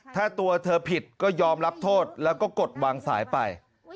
ถ้าตัวเธอผิดก็ยอมรับโทษแล้วก็กดวางสายไป